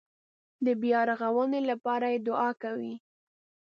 د بیارغونې لپاره یې دعا کوي.